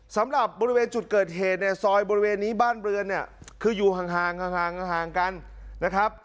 สำหรับบริเวณจุดเกิดเหตุซอยบานเรือนอยู่ไปค่ะ